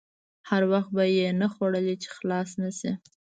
هر وخت به یې نه خوړلې چې خلاصې نه شي.